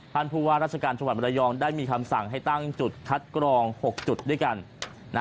ผู้ว่าราชการจังหวัดมรยองได้มีคำสั่งให้ตั้งจุดคัดกรอง๖จุดด้วยกัน